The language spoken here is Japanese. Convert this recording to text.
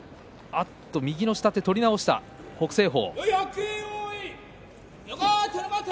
右の下手を取り直した北青鵬。